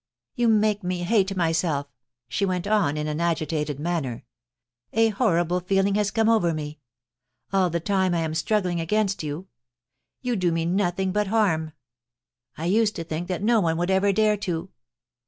* You make me hate myself,' she went on in an agitated manner. * A horrible feeling has come over me. ... All the time I am struggling against you. ... You do me nothing but harm. ... I used to think that no one would ever dare to